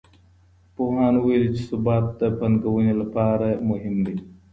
پوهانو ويلي چي ثبات د پانګوني لپاره مهم دی.